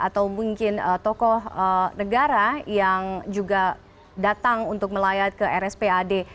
dan tokoh negara yang juga datang untuk melayat ke rspad